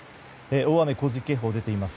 大雨・洪水警報が出ています。